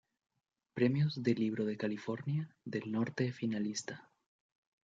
Premios de Libro de California del norte finalista.